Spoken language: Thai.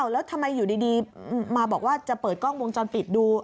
แล้วทำไมอยู่ดีมาบอกว่าจะเปิดกล้องวงจรปิดดู